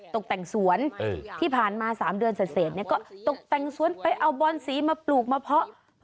ตกแต่งสวนที่ผ่านมา๓เดือนเสร็จก็ตกแต่งสวนไปเอาบอนสีมาปลูกมาเพาะ